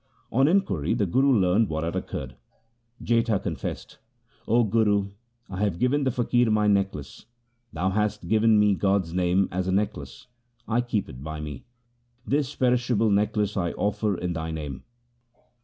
On inquiry the Guru learned what had occurred. Jetha confessed, ' O Guru, I have given the faqir my necklace. Thou hast given me God's name as a necklace ; I keep it by me. This perishable neck lace I have offered in thy name.'